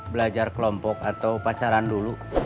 belajar kelompok atau pacaran dulu